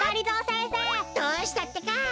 どうしたってか！